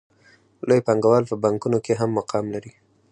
لوی پانګوال په بانکونو کې هم مقام لري